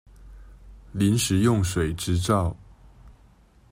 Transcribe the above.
臨時用水執照